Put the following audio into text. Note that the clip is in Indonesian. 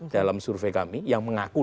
dalam survei kami yang mengaku